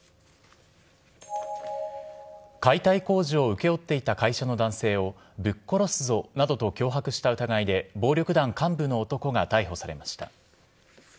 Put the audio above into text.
解体工事を請け負っていた会社の男性を、ぶっ殺すぞなどと脅迫した疑いで、暴力団幹部の男が逮捕されました。